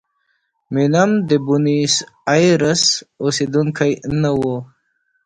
مینم د بونیس ایرس اوسېدونکی نه و.